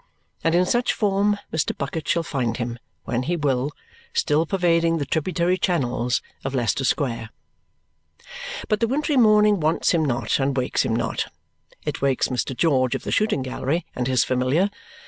And in such form Mr. Bucket shall find him, when he will, still pervading the tributary channels of Leicester Square. But the wintry morning wants him not and wakes him not. It wakes Mr. George of the shooting gallery and his familiar.